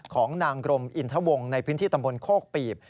ของนางกรมอินทวงในพื้นที่ตำบลโคกปีบ